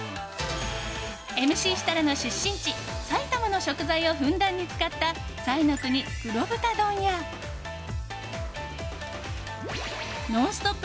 ＭＣ設楽の出身地・埼玉の食材をふんだんに使った彩の国黒豚丼や「ノンストップ！」